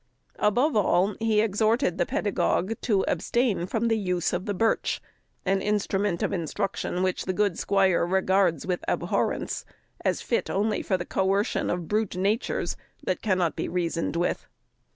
Above all, he exhorted the pedagogue to abstain from the use of birch, an instrument of instruction which the good squire regards with abhorrence, as fit only for the coercion of brute natures, that cannot be reasoned with.